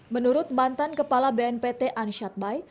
menurut bantan kepala bnpt ansyat bay